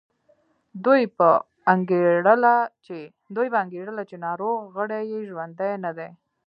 دوی به انګېرله چې ناروغ غړي یې ژوندي نه دي.